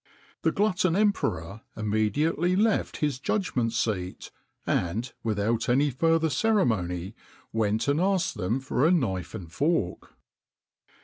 The glutton emperor immediately left his judgment seat, and, without any further ceremony, went and asked them for a knife and fork.